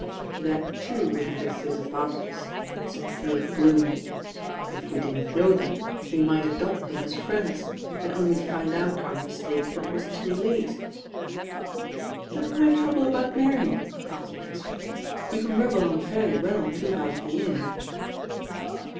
"That, too, would have its disadvantages," said LORD DREWITT'S PERPLEXITIES 91 Drewitt gloomily; "if we didn't know them, we might adopt them as friends, and only find out our mistake when it was too late." "But why trouble about marrying?" asked Beres ford. "You can rub along fairly well on two thou sand a year."